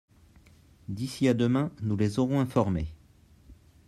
D'ici à demain nous les aurons informées.